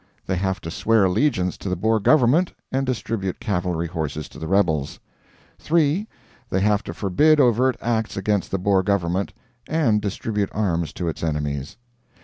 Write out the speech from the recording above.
They have to swear allegiance to the Boer government, and distribute cavalry horses to the rebels. 3. They have to forbid overt acts against the Boer government, and distribute arms to its enemies.